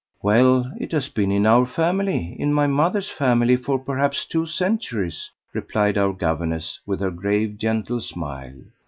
"Well, it has been in our family in my mother's family for perhaps two centuries," replied our governess with her grave gentle smile.